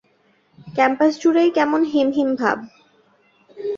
ক্যাম্পাসজুড়েই কেমন হিমহিম ভাব।